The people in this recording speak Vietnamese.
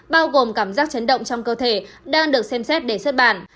bao gồm cảm giác chấn động trong cơ thể đang được xem xét để xuất bản